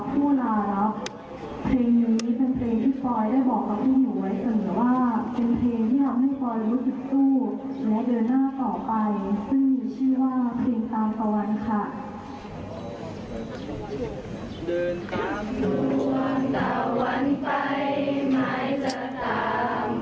ซึ่งมีชื่อว่าตาลัยเพื่อนยาผู้ลารับ